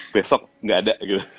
besok ga ada